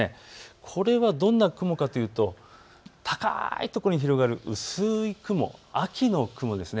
これはどんな雲かというと高い所に広がる薄い雲、秋の雲です。